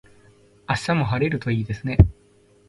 明日も晴れるといいですね。